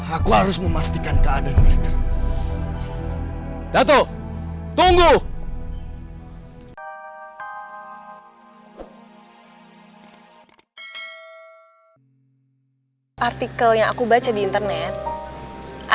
aku harus memastikan keadaan mereka